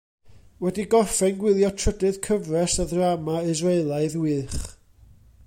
Wedi gorffen gwylio trydydd cyfres y ddrama Israelaidd wych.